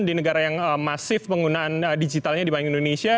di negara yang masif penggunaan digitalnya dibanding indonesia